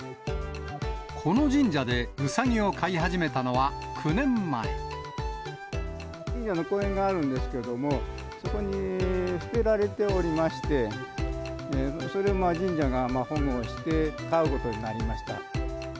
この神社でうさぎを飼い始め神社の公園があるんですけれども、そこに捨てられておりまして、それを神社が保護して、飼うことになりました。